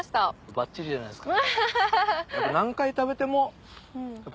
ばっちりじゃないですか。